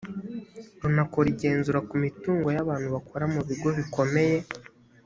runakora igenzura ku mitungo y’abantu bakora mu bigo bikomeye